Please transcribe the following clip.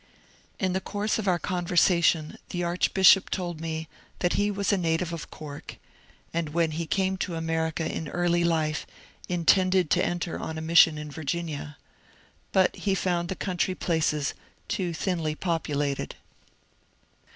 In the course of our conversation the archbishop told me that he was a native of Cork, and when he came to America in early life intended to enter on a mission in Virginia. But he found the country places too thinly populated.